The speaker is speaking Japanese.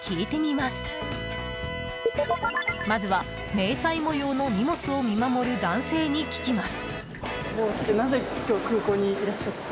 まずは、迷彩模様の荷物を見守る男性に聞きます。